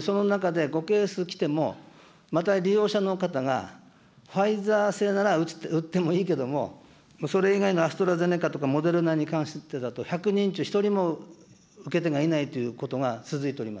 その中で、５ケース来ても、また利用者の方がファイザー製なら打ってもいいけども、それ以外のアストラゼネカとか、モデルナに関してだと、１００人中１人も受け手がいないということが続いております。